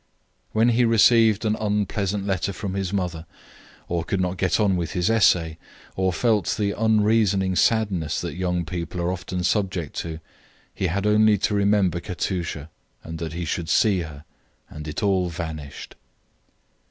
When he received an unpleasant letter from his mother, or could not get on with his essay, or felt the unreasoning sadness that young people are often subject to, he had only to remember Katusha and that he should see her, and it all vanished.